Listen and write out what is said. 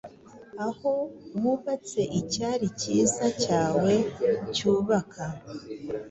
Aho wubatse icyari cyiza cyawe cyubaka,